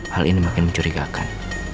hal ini makin mencurigakan